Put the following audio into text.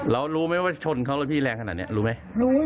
แล้วรู้ไหมว่าชนเขาแล้วพี่แรงขนาดนี้รู้ไหม